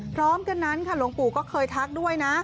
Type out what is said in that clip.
พร้อมกันนั้นค่ะหลวงปู่ก็เคยทักด้วยนะ